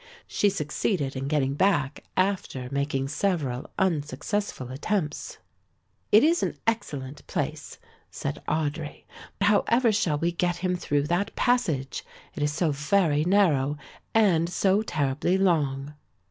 She succeeded in getting back after making several unsuccessful attempts. "It is an excellent place," said Audry, "but however shall we get him through that passage, it is so very narrow and so terribly long."